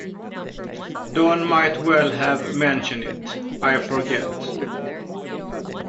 Don might well have mentioned it; I forget.